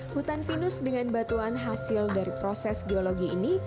hutan pinus dengan batuan hasil dari proses geologi ini